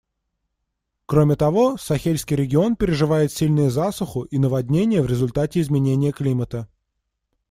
Кроме того, Сахельский регион переживает также сильные засуху и наводнения в результате изменения климата.